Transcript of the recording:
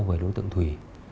về đối tượng thùy